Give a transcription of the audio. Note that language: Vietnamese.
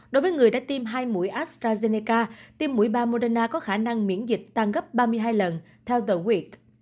đối với người đã tiêm hai mũi astrazeneca tiêm mũi ba moderna có khả năng miễn dịch tăng gấp ba mươi hai lần theo tờ nguyệt